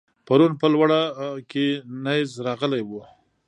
پرون په لوړه کې نېز راغلی و.